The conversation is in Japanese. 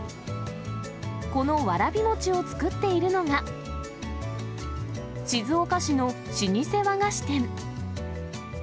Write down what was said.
このわらび餅を作っているのが、静岡市の老舗和菓子店。